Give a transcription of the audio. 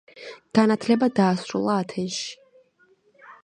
განათლება დაასრულა ათენში.